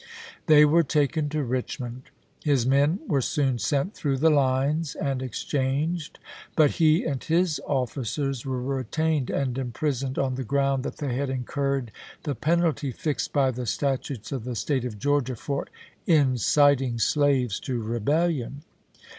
They were taken to Richmond ; his men were soon sent through the lines and exchanged, but he, and his officers, were retained and impris oned on the ground that they had incurred the penalty fixed by the statutes of the State of G eorgia for inciting slaves to rebellion.